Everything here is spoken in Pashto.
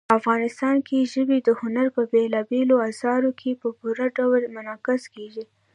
افغانستان کې ژبې د هنر په بېلابېلو اثارو کې په پوره ډول منعکس کېږي.